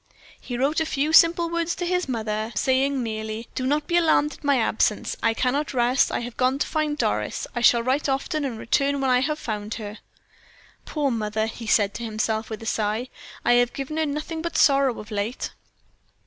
He wrote a few simple words to his mother, saying merely: "Do not be alarmed at my absence. I cannot rest I have gone to find Doris. I shall write often, and return when I have found her." "Poor mother," he said to himself with a sigh, "I have given her nothing but sorrow of late."